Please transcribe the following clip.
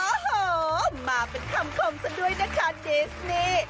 โอ้โหมาเป็นคำคมซะด้วยนะคะดิสนี่